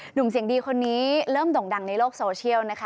หนุ่มเสียงดีคนนี้เริ่มด่งดังในโลกโซเชียลนะคะ